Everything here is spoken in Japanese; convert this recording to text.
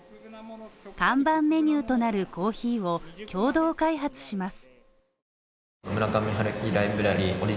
看板メニューとなるコーヒーを共同開発します。